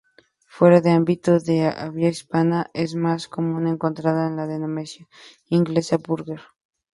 Fuera del ámbito de habla hispana es más común encontrar la denominación inglesa burger.